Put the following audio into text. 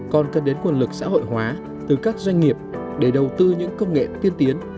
còn cần đến nguồn lực xã hội hóa từ các doanh nghiệp để đầu tư những công nghệ tiên tiến